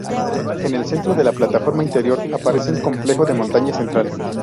En el centro de la plataforma interior aparece un complejo de montañas central.